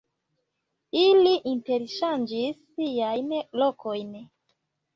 Ili interŝanĝis siajn lokojn.